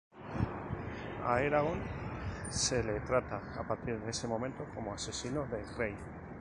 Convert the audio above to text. A Eragon se le trata a partir de ese momento como Asesino de Rey.